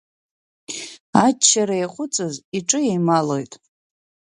Аччара иаҟәыҵыз иҿы еималоит.